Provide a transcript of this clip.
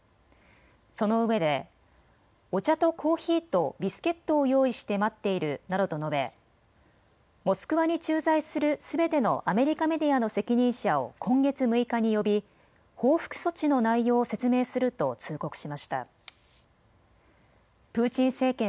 そのうえでお茶とコーヒーとビスケットを用意して待っているなどと述べモスクワに駐在するすべてのアメリカメディアの責任者を今月６日に呼び報復措置の内容を説明すると通告しました。